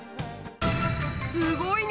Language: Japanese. すごいね。